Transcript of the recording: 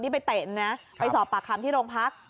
ไปสอบปากคำที่โรงพัก